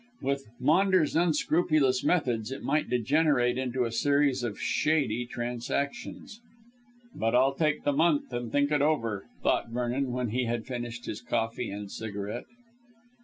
With Maunders' unscrupulous methods it might degenerate into a series of shady transactions. "But I'll take the month and think it over," thought Vernon, when he had finished his coffee and cigarette.